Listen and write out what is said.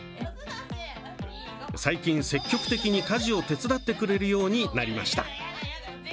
最近、積極的に家事を手伝ってくれるようになりました。